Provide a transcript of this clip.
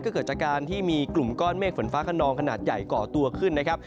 ก็เกิดจากการที่มีกลุ่มก้อนเมฆฝนฟ้าขนองขนาดใหญ่ก่อตัวขึ้นนะครับ